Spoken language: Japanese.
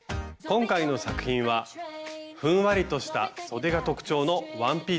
今回の作品はふんわりとしたそでが特徴のワンピースです。